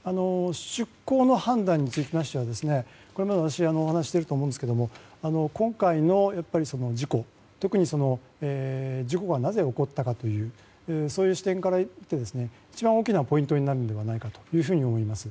出航の判断につきましてはこれまで私お話ししていると思いますが今回の事故特に事故がなぜ起こったかというそういう視点から一番大きなポイントになるのは何かなと思います。